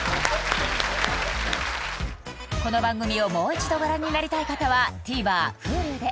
この番組をもう一度ご覧になりたい方はＴＶｅｒＨｕｌｕで